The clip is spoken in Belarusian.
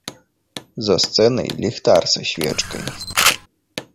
За сцэнай ліхтар са свечкай.